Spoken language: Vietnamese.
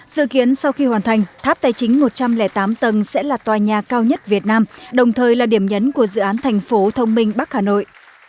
dự kiến sau khi hoàn thành tháp tài chính một trăm linh tám tầng sẽ là tòa nhà cao nhất việt nam đồng thời là điểm nhấn của dự án thành phố thông minh bắc hà nội